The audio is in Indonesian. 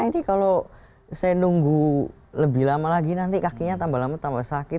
ini kalau saya nunggu lebih lama lagi nanti kakinya tambah lama tambah sakit